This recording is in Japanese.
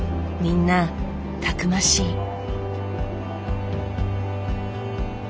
みんなたくましい。